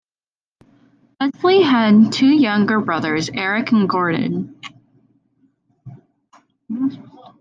Leslie had two younger brothers, Eric and Gordon.